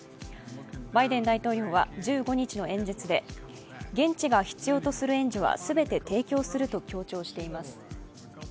バイデン大統領は１５日の演説で現地が必要とする援助は全て提供すると強調しています。